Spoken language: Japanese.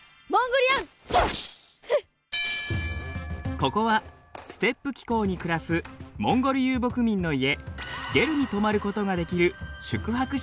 ここはステップ気候に暮らすモンゴル遊牧民の家ゲルに泊まることができる宿泊施設なんです。